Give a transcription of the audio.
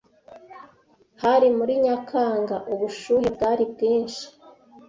Hari muri Nyakanga. Ubushuhe bwari bwinshi.